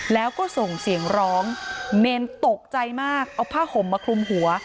แล้วก็ส่งเสียงร้องเนรตกใจมากเอาผ้าห่มมาคลุมหัว